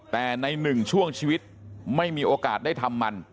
แต่ในหนึ่งช่วงชีวิตไม่มีโอกาสได้ทำมัน